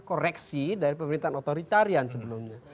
koreksi dari pemerintahan otoritarian sebelumnya